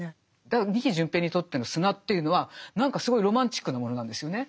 だから仁木順平にとっての砂というのは何かすごいロマンチックなものなんですよね。